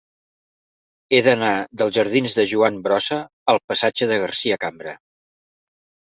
He d'anar dels jardins de Joan Brossa al passatge de Garcia Cambra.